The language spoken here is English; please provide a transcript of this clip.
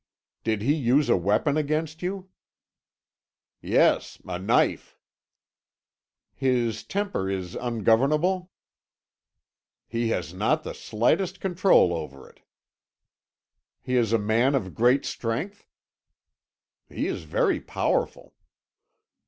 "Did he use a weapon against you?" "Yes; a knife." "His temper is ungovernable?" "He has not the slightest control over it." "He is a man of great strength?" "He is very powerful."